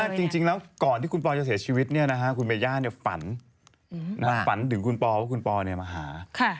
เขาบอกว่าจริงแล้วก่อนที่คุณปอล์จะเสียชีวิตคุณมาย่าฝันถึงคุณปอล์ว่าคุณปอล์มาหา